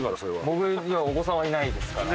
僕にはお子さんはいないですから。